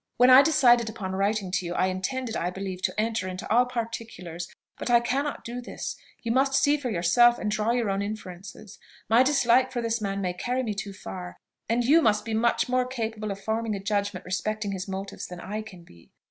"When I decided upon writing to you I intended, I believe, to enter into all particulars; but I cannot do this you must see for yourself, and draw your own inferences. My dislike for this man may carry me too far, and you must be much more capable of forming a judgment respecting his motives than I can be.